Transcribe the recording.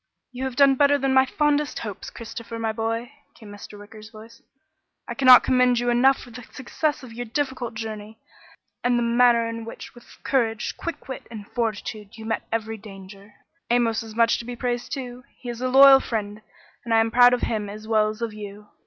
"You have done better than my fondest hopes, Christopher, my boy," came Mr. Wicker's voice. "I cannot commend you enough for the success of your difficult journey, and the manner in which with courage, quick wit, and fortitude you met every danger. Amos is much to be praised too. He is a loyal friend and I am proud of him as well as of you."